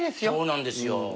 そうなんですよ。